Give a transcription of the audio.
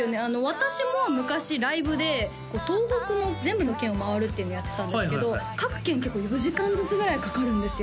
私も昔ライブで東北の全部の県を回るっていうのやってたんですけど各県結構４時間ずつぐらいかかるんですよ